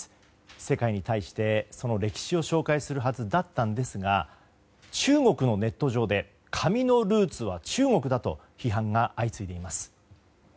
世界に対して、その歴史を紹介するはずだったんですが中国のネット上で紙のルーツは中国だと批判が相次いでいます。